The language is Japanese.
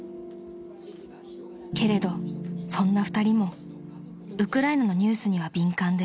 ［けれどそんな２人もウクライナのニュースには敏感です］